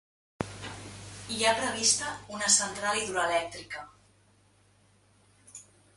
Hi ha prevista una central hidroelèctrica.